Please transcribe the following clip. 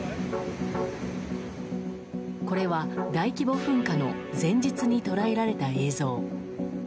これは、大規模噴火の前日に捉えられた映像。